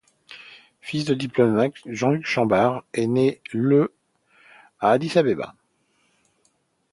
Fils de diplomate, Jean-Luc Chambard est né le à Addis-Abeba.